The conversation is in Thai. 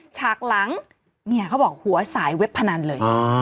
ฉากหลังเนี่ยเขาบอกหัวสายเว็บพนันเลย